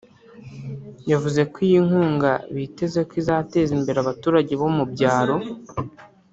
yavuze ko iyi nkunga biteze ko izateza imbere abaturage bo mu byaro